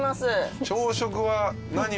朝食は何を？